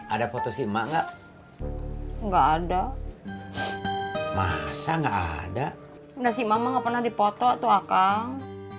ada foto sih emak enggak enggak ada masa enggak ada udah si mama pernah dipotong tuh akang